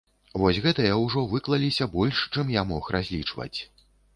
Вось гэтыя ўжо выклаліся больш, чым я мог разлічваць.